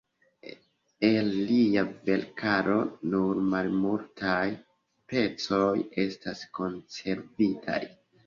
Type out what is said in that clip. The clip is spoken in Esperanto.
El lia verkaro nur malmultaj pecoj estas konservitaj.